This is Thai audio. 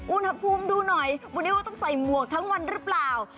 อุณหภูมิดูหน่อยวันนี้ว่าต้องใส่หมวกทั้งวันหรือเปล่า